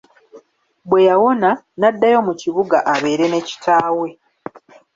Bwe yawona, n'addayo mu kibuga abeere ne kitaawe.